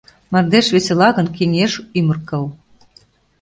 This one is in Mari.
Мардеж весела гын, кеҥеж ӱмыр кыл